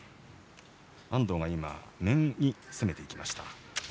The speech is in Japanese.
安藤が攻めていきました。